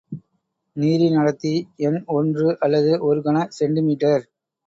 நீரின் அடர்த்தி எண் ஒன்று அல்லது ஒரு கன செண்டி மீட்டர்.